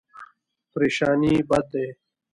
پریشاني بد دی.